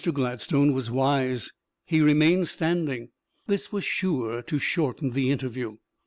Gladstone was wise: he remained standing; this was sure to shorten the interview.